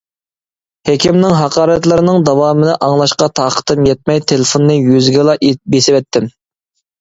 ھېكىمنىڭ ھاقارەتلىرىنىڭ داۋامىنى ئاڭلاشقا تاقىتىم يەتمەي تېلېفوننى يۈزىگىلا بېسىۋەتتىم.